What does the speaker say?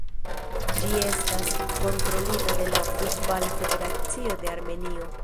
Ĝi estas kontrolita de la Futbala Federacio de Armenio.